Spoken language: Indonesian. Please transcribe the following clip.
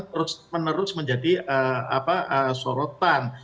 terus menerus menjadi sorotan